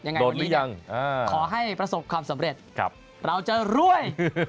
ยังไงวันนี้ขอให้ประสบความสำเร็จเราจะรวย